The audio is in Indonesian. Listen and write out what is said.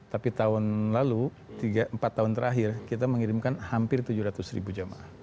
tapi tahun lalu empat tahun terakhir kita mengirimkan hampir tujuh ratus ribu jamaah